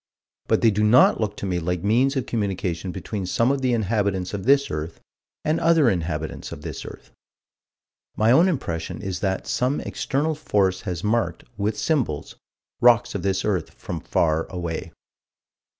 But they do not look to me like means of communication between some of the inhabitants of this earth and other inhabitants of this earth. My own impression is that some external force has marked, with symbols, rocks of this earth, from far away.